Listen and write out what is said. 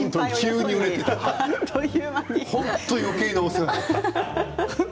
本当によけいなお世話だった。